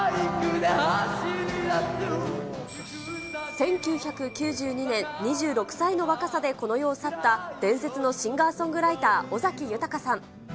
１９９２年、２６歳の若さでこの世を去った、伝説のシンガーソングライター、尾崎豊さん。